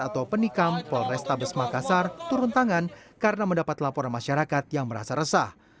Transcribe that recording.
atau penikam polrestabes makassar turun tangan karena mendapat laporan masyarakat yang merasa resah